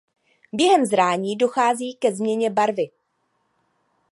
Během zrání dochází ke změně barvy.